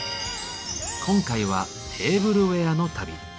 今回は「テーブルウエアの旅」。